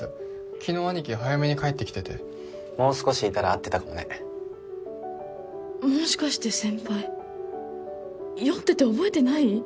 昨日兄貴早めに帰ってきててもう少しいたら会ってたかもねもしかして先輩酔ってて覚えてない？